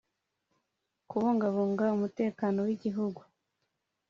kubungabunga umutekano w Igihugu